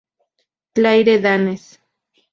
Claire Danes